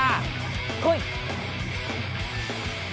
来い！